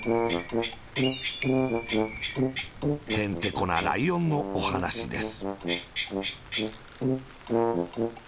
へんてこなライオンのおはなしです。